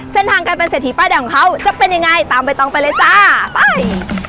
เส้นทางการเป็นเศรษฐีป้ายแดงของเขาจะเป็นยังไงตามใบตองไปเลยจ้าไป